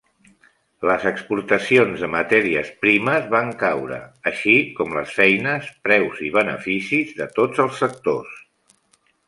Les exportacions de matèries primes van caure, així com les feines, preus i beneficis de tots els sectors.